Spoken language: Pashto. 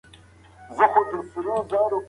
ټکنالوژي د کرنې په پرمختګ کې کافي مرسته برابروي.